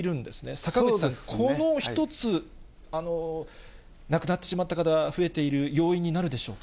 坂口さん、この一つ、亡くなってしまった方が増えている要因になるでしょうか。